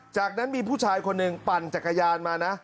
จากนั้นมีผู้ชายคนหนึ่งปั่นจักรยานมานะ